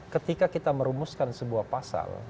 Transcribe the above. ketika kita merumuskan sebuah pasal